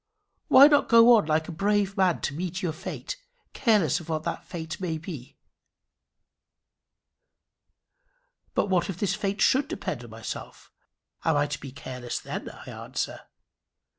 Why not go on like a brave man to meet your fate, careless of what that fate may be?" "But what if this fate should depend on myself? Am I to be careless then?" I answer.